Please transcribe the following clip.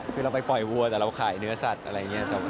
คือเราไปปล่อยวัวแต่เราขายเนื้อสัตว์อะไรอย่างนี้